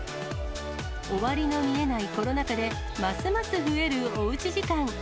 終わりの見えないコロナ禍で、ますます増えるおうち時間。